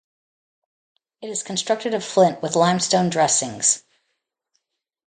It is constructed of flint with limestone dressings.